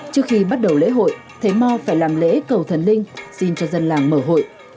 trước khi bắt đầu lễ hội thầy mò phải làm lễ cầu thần linh xin cho dân làng mở hội